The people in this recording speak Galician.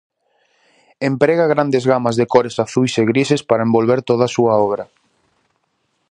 Emprega grandes gamas de cores azuis e grises para envolver toda a súa obra.